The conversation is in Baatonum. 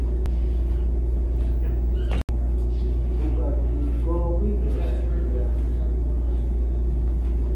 Bù ka bii gɔɔ wi yɔ̃rasia.